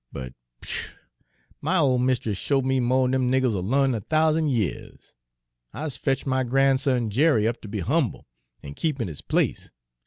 But, pshuh! my ole mist'ess showed me mo' d'n dem niggers 'll l'arn in a thousan' years! I 's fetch' my gran'son' Jerry up ter be 'umble, an' keep in 'is place.